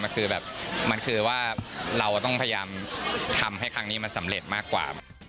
คือแบบมันคือว่าเราต้องพยายามทำให้ครั้งนี้มันสำเร็จมากกว่า